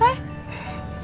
iya terima kasih